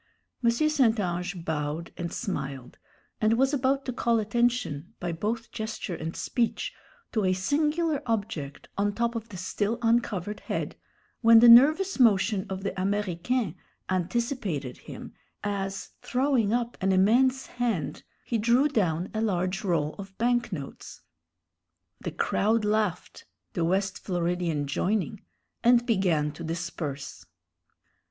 M. St. Ange bowed and smiled, and was about to call attention, by both gesture and speech, to a singular object on top of the still uncovered head, when the nervous motion of the Américain anticipated him, as, throwing up an immense hand, he drew down a large roll of bank notes. The crowd laughed, the West Floridian joining, and began to disperse.